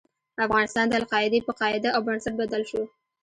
افغانستان د القاعدې په قاعده او بنسټ بدل شو.